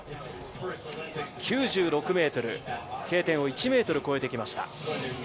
９６ｍ、Ｋ点を１ｍ越えてきました。